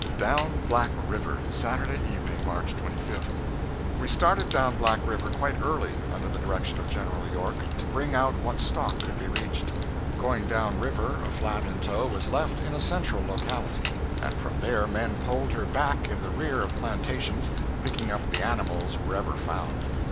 DOWN BLACK RIVER Saturday Evening, March 25. We started down Black River quite early, under the direction of General York, to bring out what stock could be reached. Going down river a flat in tow was left in a central locality, and from there men poled her back in the rear of plantations, picking up the animals wherever found.